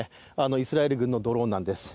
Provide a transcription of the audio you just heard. イスラエル軍のドローンなんです。